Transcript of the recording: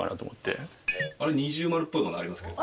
あれ二重丸っぽいものありますけれど。